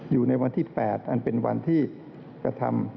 อยู่ในวันที่๘อันเป็นวันที่กระทำ